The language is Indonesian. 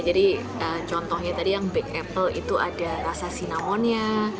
jadi contohnya tadi yang baked apple itu ada rasa sinamonya